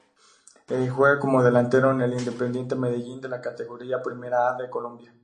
Juega como delantero en el Independiente Medellín de la Categoría Primera A de Colombia.